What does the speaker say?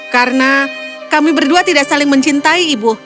karena kami berdua tidak saling mencintai ibu